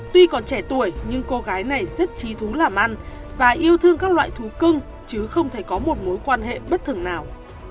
tuy còn trẻ tuổi nhưng cô gái này rất trí thú làm ăn và yêu thương các loại thú cưng chứ không thấy có một mối quan hệ bất thường nào